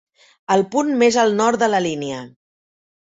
El punt més al nord de la línia.